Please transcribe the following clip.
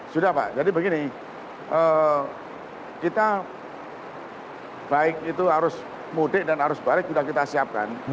sudah pak jadi begini kita baik itu arus mudik dan arus balik sudah kita siapkan